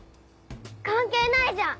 関係ないじゃん！